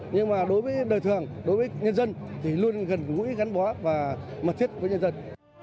nhưng mà đối với đời thường đối với nhân dân thì luôn gần gũi gắn bó và mật thiết với nhân dân